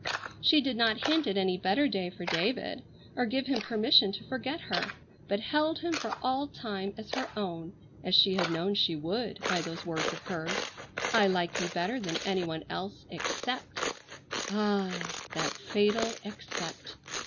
She did not hint at any better day for David, or give him permission to forget her, but held him for all time as her own, as she had known she would by those words of hers, "I like you better than anyone else except!—" Ah! That fatal "except!"